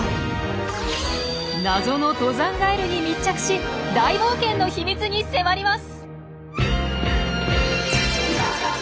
謎の登山ガエルに密着し大冒険の秘密に迫ります！